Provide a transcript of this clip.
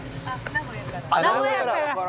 名古屋から！